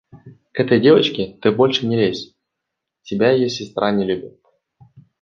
К этой девочке ты больше не лезь: тебя ее сестра не любит.